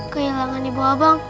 kehilangan ibu abang